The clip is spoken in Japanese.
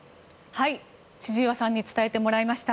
千々岩さんに伝えてもらいました。